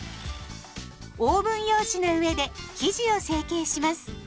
オーブン用紙の上で生地を成形します。